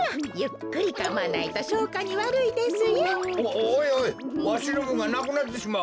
おいおいわしのぶんがなくなってしまう。